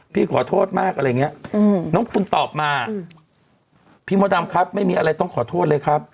พี่ขอโทษมากอะไรอย่างเงี้ยน้องคุณตอบมาพี่มดดำครับไม่มีอะไรต้องขอโทษเลยครับ